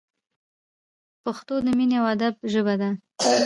پښتو د مینې او ادب ژبه ده!